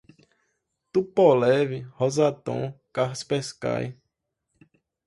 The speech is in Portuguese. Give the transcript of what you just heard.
Tupolev, Rosatom, Kaspersky